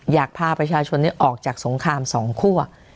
อยากพาประชาชนเนี่ยออกจากสงครามสองคั่ว